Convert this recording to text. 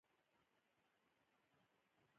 د کورنیو باغچو حاصلات شته